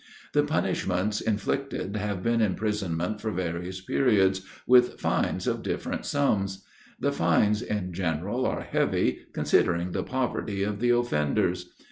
The punishments inflicted have been imprisonment for various periods, with fines of different sums. The fines in general are heavy, considering the poverty of the offenders.